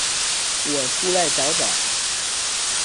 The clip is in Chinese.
我出来找找